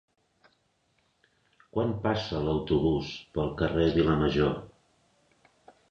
Quan passa l'autobús pel carrer Vilamajor?